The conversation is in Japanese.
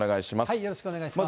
よろしくお願いします。